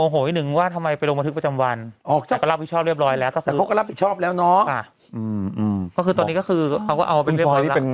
เออหรือสั่งแก๊ปสั่งไลน์แม็คอย่างนั้นนะครับเป็นร้านชื่ออะไร